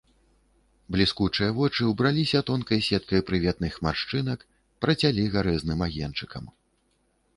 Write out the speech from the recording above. Бліскучыя вочы ўбраліся тонкай сеткай прыветных маршчынак, працялі гарэзным агеньчыкам.